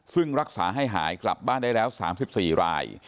ซึ่งรักษาให้หายกลับบ้านได้แล้ว๓๔ราย